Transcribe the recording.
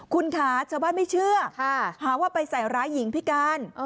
คุณค่ะชาวบ้านไม่เชื่อหาว่าไปใส่ร้ายหญิงพิการ